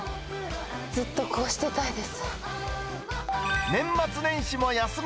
ずっとこうしてたいです。